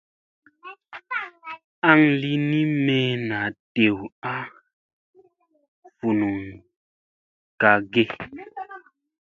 Aŋ lini me naa dew a ti vunuŋga ge ?